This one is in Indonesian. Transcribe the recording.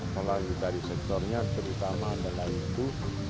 melalui dari sektornya terutama adalah itu